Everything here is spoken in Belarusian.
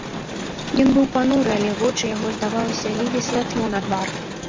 Ён быў пануры, але вочы яго, здавалася, лілі святло на твар.